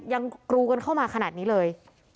กรูกันเข้ามาขนาดนี้เลย